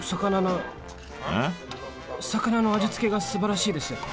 魚の味付けがすばらしいです。